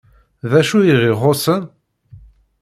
D acu i ɣ-ixuṣṣen?